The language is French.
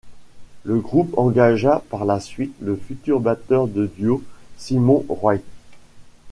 Le groupe engagea par la suite le futur batteur de Dio, Simon Wright.